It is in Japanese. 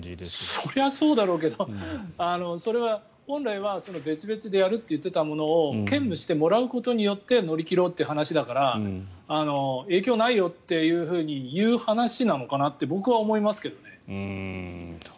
そりゃそうだろうけどそれは本来は別々でやると言っていたものを兼務してもらうことによって乗り切ろうっていう話だから影響ないよというふうに言う話なのかなって僕は思いますけどね。